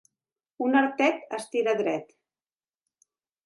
Un artet es tira dret.